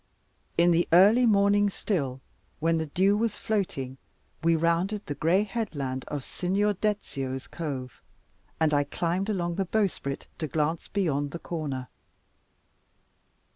In the early morning still, when the dew was floating, we rounded the gray headland of Signor Dezio's cove, and I climbed along the bowsprit to glance beyond the corner.